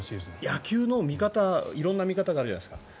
野球の色んな見方があるじゃないですか。